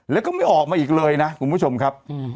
แล้วก็ไม่ออกมาอีกเลยนะคุณผู้ชมครับ